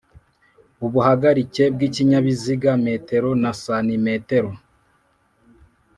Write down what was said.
Ubuhagarike bw ikinyabiziga metero na santimetero